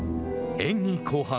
演技後半。